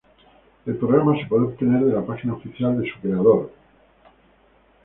El programa se puede obtener de la página oficial de su creador, Mr.